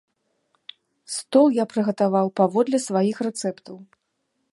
Стол я прыгатаваў паводле сваіх рэцэптаў.